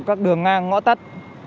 các đường ngang ngõ tắt